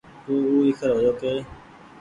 تو او ايکرهيو ڪي